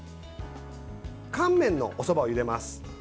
乾麺のおそばを入れます。